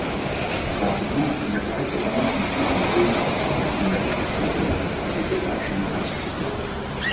Rapidement, il apparaît cependant qu'une simple réédition, même avec des compléments, était largement insuffisante.